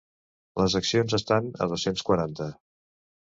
Les accions estan a dos-cents quaranta.